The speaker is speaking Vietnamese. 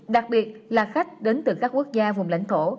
đặc biệt là khách đến từ các quốc gia vùng lãnh thổ